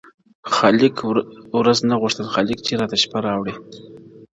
خالق ورځ نه غوښتل خالق چي راته شپه راوړې